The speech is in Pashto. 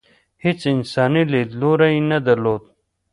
هېڅ انساني لیدلوری یې نه درلود.